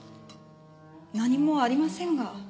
何もありませんが。